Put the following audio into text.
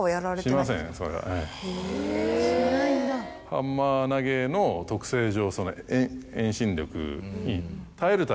ハンマー投の特性上。